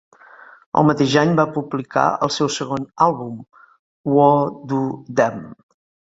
El mateix any va publicar el seu segon àlbum, "Wa Do Dem".